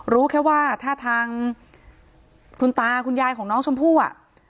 รู้แค่ว่าถ้าทางคุณตาคุณยายของน้องชมพู่อ่ะ